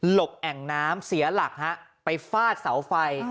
บแอ่งน้ำเสียหลักฮะไปฟาดเสาไฟ